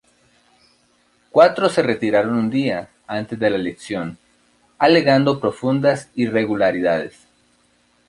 Cuatro se retiraron un día antes de la elección, alegando profundas irregularidades.